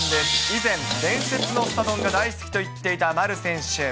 以前、伝説のすた丼が大好きといっていた丸選手。